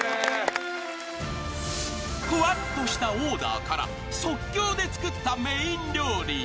［ふわっとしたオーダーから即興で作ったメイン料理］